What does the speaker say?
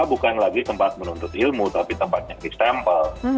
bukan lagi tempat menuntut ilmu tapi tempat nyaris tempel